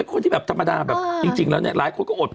คนที่แบบธรรมดาแบบจริงแล้วเนี่ยหลายคนก็อดไป